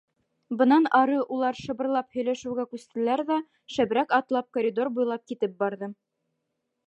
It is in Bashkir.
Бынан ары улар шыбырлап һөйләшеүгә күстеләр ҙә шәберәк атлап коридор буйлап китеп барҙы.